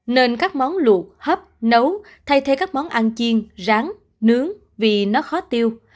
nên các món luộc hấp nấu thay thế các món ăn chiên ráng nướng vì nó khó tiêu